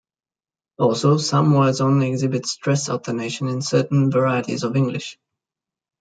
Also, some words only exhibit stress alternation in certain varieties of English.